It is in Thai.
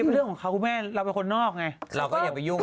เรื่องของเขาคุณแม่เราเป็นคนนอกไงเราก็อย่าไปยุ่ง